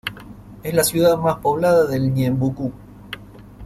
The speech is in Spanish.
Es la ciudad más poblada del Ñeembucú.